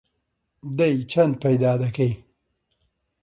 دەی چەند پەیدا دەکەی؟